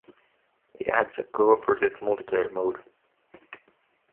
It adds a cooperative multiplayer mode.